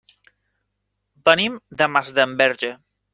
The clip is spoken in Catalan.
Venim de Masdenverge.